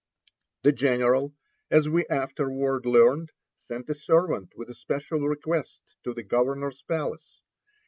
The general, as we afterward learned, sent a servant with a special request to the governor's palace.